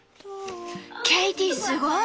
ケイティすごい。